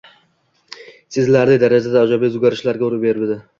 sezilarli darajada ijobiy o‘zgarishlar ro‘y berdi.